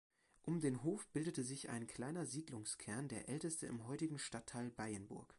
Um den Hof bildete sich ein kleiner Siedlungskern, der älteste im heutigen Stadtteil Beyenburg.